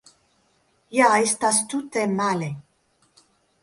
Ja estas tute male.